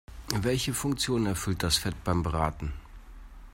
Welche Funktion erfüllt das Fett beim Braten?